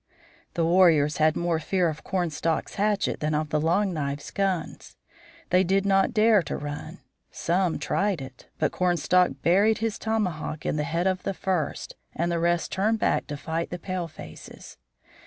The warriors had more fear of Cornstalk's hatchet than of the Long Knives' guns. They did not dare to run. Some tried it. But Cornstalk buried his tomahawk in the head of the first, and the rest turned back to fight the palefaces.